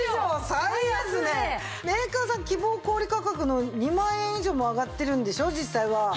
メーカーさん希望小売価格の２万円以上も上がってるんでしょ実際は。